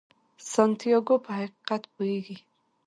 سانتیاګو په حقیقت پوهیږي.